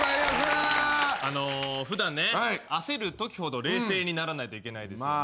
普段ね焦るときほど冷静にならないといけないですよね。